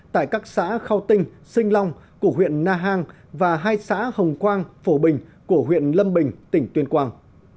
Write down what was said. tại các xã khao tinh sinh long của huyện na hàng và hai xã hồng quang phổ bình của huyện lâm bình tỉnh tuyên quang